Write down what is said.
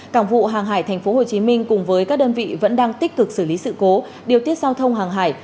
cảng vụ hàng hải tp hcm cùng với các đơn vị vẫn đang tích cực xử lý sự cố điều tiết giao thông hàng hải